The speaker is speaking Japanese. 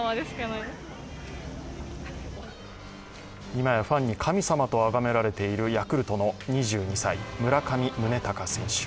今やファンに神様とあがめられているヤクルトの２２歳村上宗隆選手。